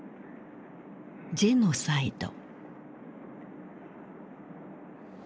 「ジェノサイド」。